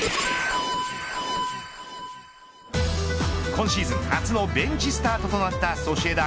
今シーズン初のベンチスタートとなったソシエダ。